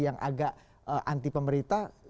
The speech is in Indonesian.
yang agak anti pemerintah